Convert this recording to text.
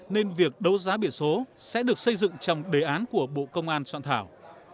nên việc đấu giá biển số sẽ được xây dựng trong đề án của bộ công an soạn thảo